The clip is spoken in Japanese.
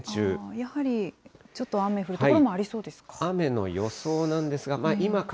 やはりちょっと雨降る所もありそうなんですか。